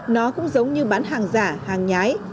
nó cũng giống như bán hàng giả hàng nhái